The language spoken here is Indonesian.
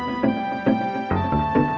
sampai ketemu lagi